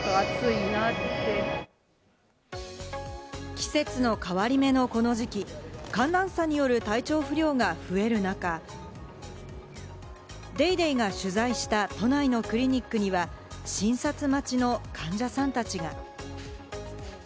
季節の変わり目のこの時期、寒暖差による体調不良が増える中、『ＤａｙＤａｙ．』が取材した都内のクリニックには、診察待ちの患者さんたちが。